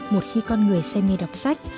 một khi con người say mê đọc sách